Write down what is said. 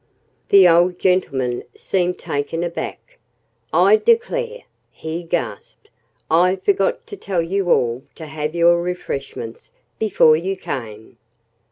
The old gentleman seemed taken aback. "I declare," he gasped, "I forgot to tell you all to have your refreshments before you came."